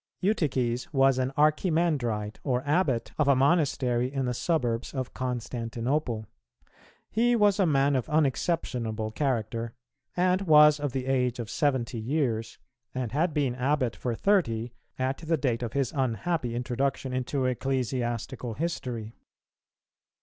_ Eutyches was Archimandrite, or Abbot, of a Monastery in the suburbs of Constantinople; he was a man of unexceptionable character, and was of the age of seventy years, and had been Abbot for thirty, at the date of his unhappy introduction into ecclesiastical history.